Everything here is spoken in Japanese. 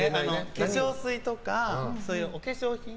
化粧水とか、お化粧品。